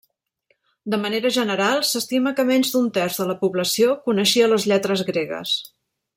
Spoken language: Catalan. De manera general, s’estima que menys d’un terç de la població coneixia les lletres gregues.